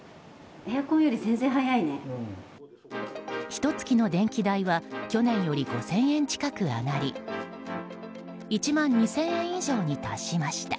ひと月の電気代は去年より５０００円近く上がり１万２０００円以上に達しました。